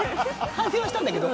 反省はしたんだけど。